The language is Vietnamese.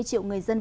chúng tôi xin thề